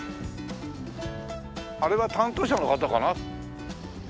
あれは担当者の方かな？